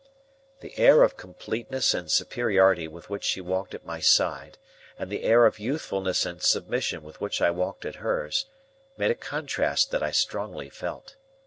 The air of completeness and superiority with which she walked at my side, and the air of youthfulness and submission with which I walked at hers, made a contrast that I strongly felt.